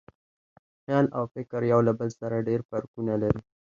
خیال او فکر یو له بل سره ډېر فرقونه لري.